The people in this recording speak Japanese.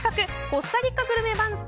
コスタリカグルメ番付